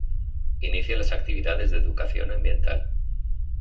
Inician las actividades de Educación Ambiental.